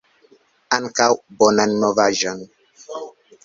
Ankaŭ! Bonan novaĵon!